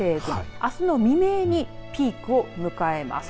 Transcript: あすの未明にピークを迎えます。